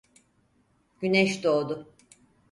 Güneş doğdu.